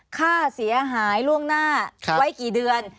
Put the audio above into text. ค่าเสียหายล่วงหน้าไว้กี่เดือน